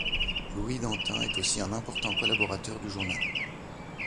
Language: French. Louis Dantin est aussi un important collaborateur du journal.